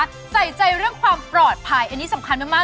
ใส่ใจเรื่องความปลอดภัยอันนี้สำคัญมาก